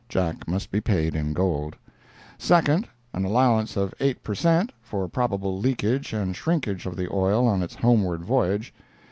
(Jack must be paid in gold.) Second—An allowance of eight per cent., for probable leakage and shrinkage of the oil on its homeward voyage.